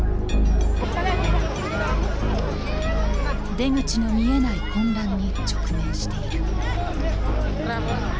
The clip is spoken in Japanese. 出口の見えない混乱に直面している。